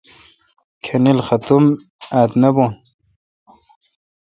کھانیل ختم آت نہ بھون۔